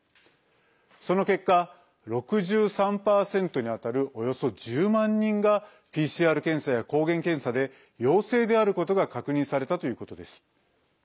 その結果、６３％に当たるおよそ１０万人がＰＣＲ検査や抗原検査で陽性であることが確認されたということです。